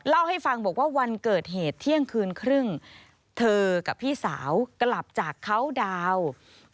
เล่าให้ฟังบอกว่าวันเกิดเหตุเที่ยงคืนครึ่งเธอกับพี่สาวกลับจากเขาดาวน์